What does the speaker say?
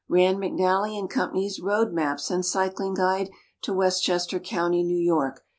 Rand, McNally & Co.'s Road Maps and Cycling Guide to Westchester County, New York.